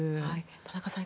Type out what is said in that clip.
田中さん